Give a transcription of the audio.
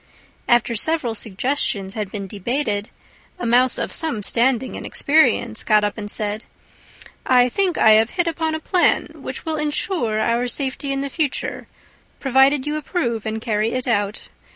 After several suggestions had been debated, a Mouse of some standing and experience got up and said, "I think I have hit upon a plan which will ensure our safety in the future, provided you approve and carry it out.